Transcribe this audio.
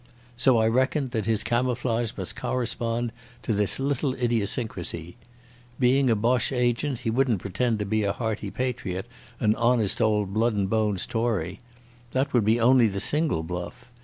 So I reckoned that his camouflage must correspond to this little idiosyncrasy. Being a Boche agent, he wouldn't pretend to be a hearty patriot, an honest old blood and bones Tory. That would be only the Single Bluff.